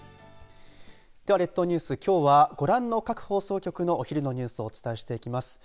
では列島ニュース、きょうはご覧の各放送局のお昼のニュースをお伝えしていきます。